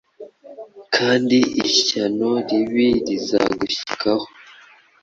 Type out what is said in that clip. Kandi ishyano ribi rizagushyikaho